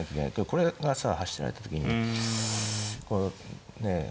これがさ走られた時にこうねえ。